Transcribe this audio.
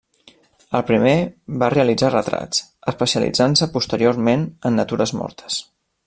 El primer va realitzar retrats, especialitzant-se posteriorment en natures mortes.